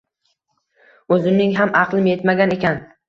O`zimning ham aqlim etmagan ekan